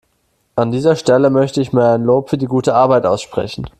An dieser Stelle möchte ich mal ein Lob für die gute Arbeit aussprechen.